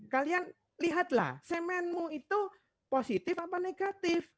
kalian lihatlah semenmu itu positif apa negatif